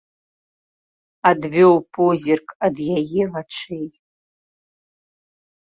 Адвёў позірк ад яе вачэй.